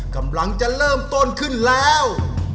กำลังจะเริ่มต้นขึ้นแล้ว